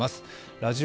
ラジオ